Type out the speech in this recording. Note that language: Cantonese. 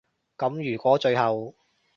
噉如果最後